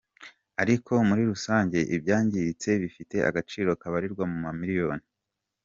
Ariko muri rusange ibyangiritse bifite agaciro kabarirwa mu mamiliyoni.